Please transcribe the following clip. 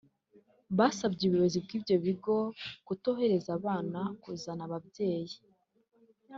basabye ubuyobozi bw’ibigo kutohereza abana kuzana ababyeyi